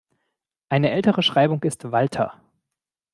Eine ältere Schreibung ist Walther.